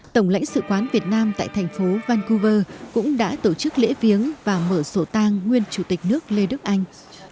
tổng lãnh sự quán việt nam tại thành phố vancouver cũng đã tổ chức lễ viếng và mở sổ tang nguyên chủ tịch nước lê đức anh